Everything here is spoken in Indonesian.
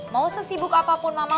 mau sesibuk apapun mama